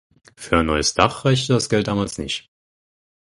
Für ein neues Dach reichte das Geld damals nicht.